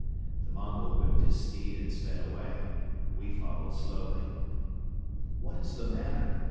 The Mongol whipped his steed and sped away. We followed slowly. "What is the matter?"